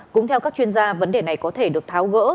cũng theo các chuyên gia vấn đề này có thể được tháo gỡ